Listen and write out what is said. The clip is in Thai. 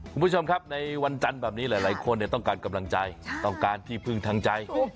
คุณผู้ชมครับในวันจันทร์แบบนี้หลายคนต้องการกำลังใจต้องการที่พึ่งทางใจ